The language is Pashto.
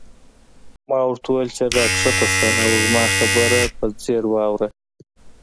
ما ورته وویل چې راکښته شه او زما خبره په ځیر واوره.